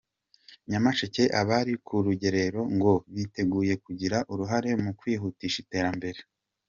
Nyamasheke Abari ku Rugerero ngo biteguye kugira uruhare mu kwihutisha iterambere